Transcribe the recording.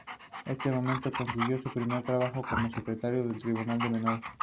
En ese momento, consiguió su primer trabajo como secretario en el Tribunal de Menores.